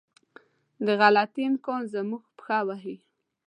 د غلطي امکان زموږ پښه وهي.